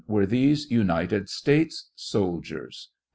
Were these United States soldiers